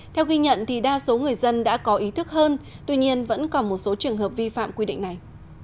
theo ghi nhận thì đa số người dân đã có ý thức hơn tuy nhiên vẫn còn một số trường hợp vi phạm quy định này